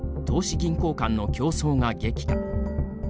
銀行間の競争が激化。